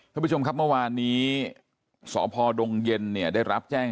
ท่านผู้ชมครับเมื่อวานนี้สพดงเย็นเนี่ยได้รับแจ้ง